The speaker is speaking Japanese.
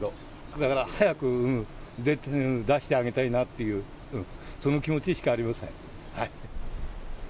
だから早く出してあげたいなっていう、その気持ちしかありません。